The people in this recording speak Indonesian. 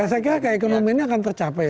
saya kira ke ekonomi ini akan tercapai